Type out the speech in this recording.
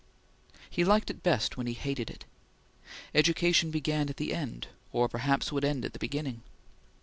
He liked it best when he hated it. Education began at the end, or perhaps would end at the beginning.